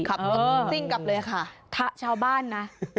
ครับซิ่งกลับเลยนะคะถ้าชาวบ้านนะ